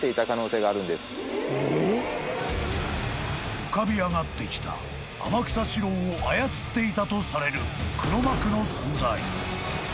［浮かび上がってきた天草四郎を操っていたとされる黒幕の存在］